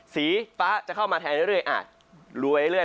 สีฟ้าจะเข้ามาแทนเรื่อยอาจรวยเรื่อย